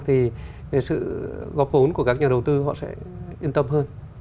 thì sự góp vốn của các nhà đầu tư họ sẽ yên tâm hơn